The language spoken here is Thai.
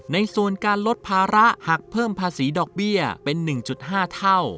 ในส่วนการลดภาระหากเพิ่มภาษีดอกเบี้ยเป็น๑๕เท่า